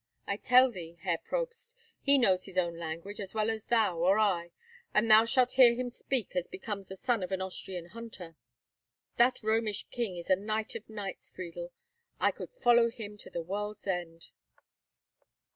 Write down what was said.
I tell thee, Herr Probst, he knows his own tongue as well as thou or I, and thou shalt hear him speak as becomes the son of an Austrian hunter.' That Romish king is a knight of knights, Friedel. I could follow him to the world's end.